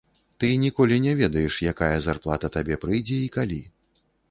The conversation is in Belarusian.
Ты ніколі не ведаеш, якая зарплата табе прыйдзе і калі.